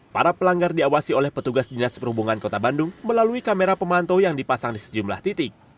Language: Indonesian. para pelanggar diawasi oleh petugas dinas perhubungan kota bandung melalui kamera pemantau yang dipasang di sejumlah titik